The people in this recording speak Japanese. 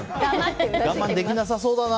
我慢できなさそうだな。